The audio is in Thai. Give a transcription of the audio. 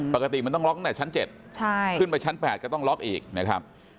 ปกติมันต้องล็อกตั้งแต่ชั้น๗ขึ้นไปชั้น๘ก็ต้องล็อกอีกนะครับ